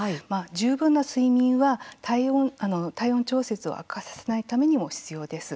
十分な睡眠は体温調節を悪化させないためにも必要です。